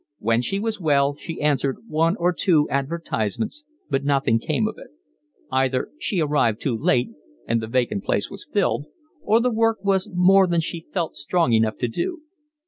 When she was well she answered one or two advertisements, but nothing came of it: either she arrived too late and the vacant place was filled, or the work was more than she felt strong enough to do.